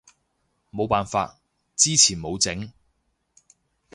冇辦法，之前冇整